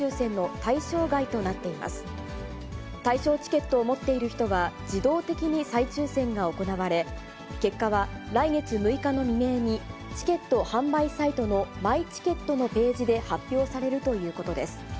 対象チケットを持っている人は、自動的に再抽せんが行われ、結果は来月６日の未明に、チケット販売サイトのマイチケットのページで発表されるということです。